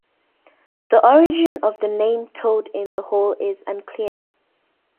The origin of the name 'toad in the hole' is unclear.